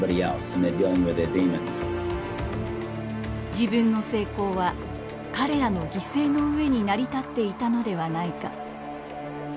自分の成功は彼らの犠牲の上に成り立っていたのではないか。